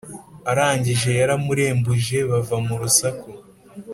arangije yaramurembuje bava murusaku